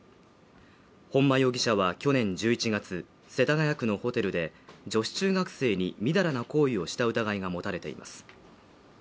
本間容疑者は去年１１月世田谷区のホテルで女子中学生にみだらな行為をした疑いが持たれています